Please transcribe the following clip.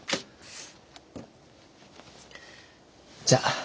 じゃあ。